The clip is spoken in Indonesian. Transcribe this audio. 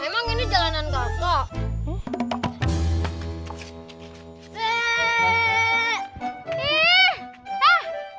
emang ini jalanan kakak